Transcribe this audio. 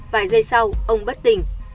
vài giây sau ông bất tỉnh